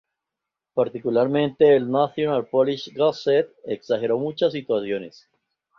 Particularmente, el "National Police Gazette" exageró muchas situaciones.